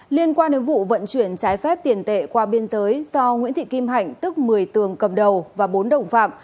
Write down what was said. liên quan đến vụ vận chuyển trái phép tiền tệ qua biên giới do nguyễn thị kim hạnh tức một mươi tường cầm đầu và bốn đồng phạm